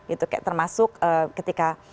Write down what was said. itu termasuk ketika